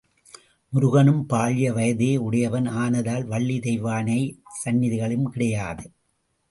முருகனும் பால்ய வயதே உடையவன் ஆனதால் வள்ளி தெய்வயானை சந்நிதிகளும் கிடையாது.